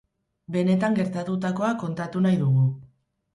Benetan gertatutakoa kontatu nahi dugu.